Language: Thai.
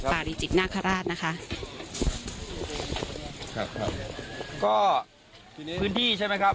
ริจิตนาคาราชนะคะครับครับก็อยู่ในพื้นที่ใช่ไหมครับ